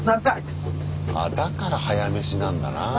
あだから早飯なんだなぁ。